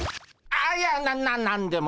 あっいやな何でも。